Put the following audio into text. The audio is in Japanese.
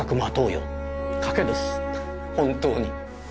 本当に。